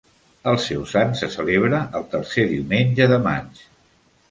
El seu sant se celebra el tercer diumenge de maig.